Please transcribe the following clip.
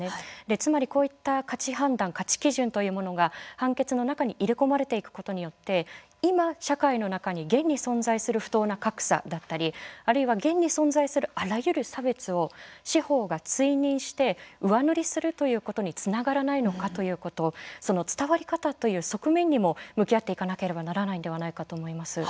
つまり、こういった価値判断価値基準というものが判決の中に入れ込まれていくことによって今、社会の中に現に存在する不当な格差だったりあるいは現に存在するあらゆる差別を司法が追認して上塗りするということにつながらないのかということその伝わり方という側面にも向き合っていかなければならないんではないかと思います。